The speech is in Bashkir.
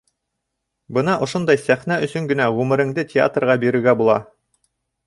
Бына ошондай сәхнә өсөн генә ғүмереңде театрға бирергә була!..